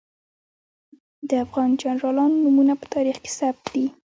د افغان جنرالانو نومونه په تاریخ کې ثبت دي.